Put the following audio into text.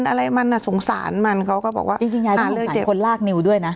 อะไรมันอ่ะสงสารมันเขาก็บอกว่าจริงจริงยายต้องสงสารคนลากนิวด้วยนะ